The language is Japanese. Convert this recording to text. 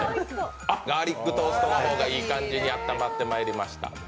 あっ、ガーリックトーストがいい感じにあったまってまいりました。